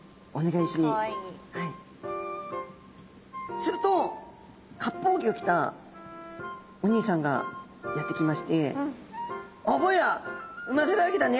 するとかっぽうぎをきたおにいさんがやって来まして「おうぼうやウマヅラハギだね。